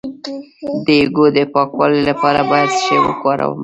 د هګیو د پاکوالي لپاره باید څه شی وکاروم؟